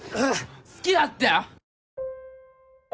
好きだったよ！